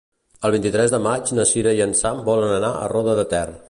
El vint-i-tres de maig na Sira i en Sam volen anar a Roda de Ter.